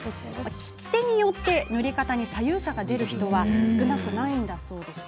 利き手によって塗り方に左右差が出る人は少なくないんだそうなんです。